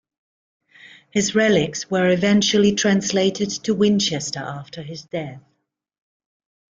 His relics were eventually translated to Winchester after his death.